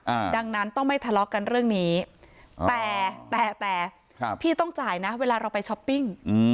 อ่าดังนั้นต้องไม่ทะเลาะกันเรื่องนี้แต่แต่แต่ครับพี่ต้องจ่ายนะเวลาเราไปช้อปปิ้งอืม